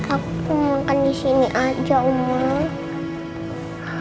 aku mau makan di sini aja mama